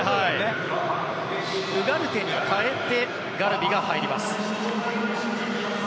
ウガルテに代えてガルビが入ります。